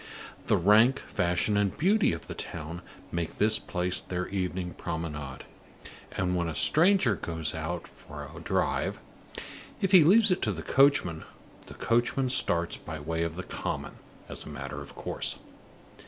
The rank, fashion, and beauty of the town make this place their evening promenade; and when a stranger goes out for a drive, if he leaves it to the coachman, the coachman starts by way of the common as a matter of course.